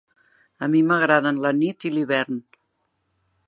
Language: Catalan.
A mi m'agraden la nit i l'hivern.